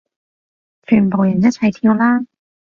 全部人一齊跳啦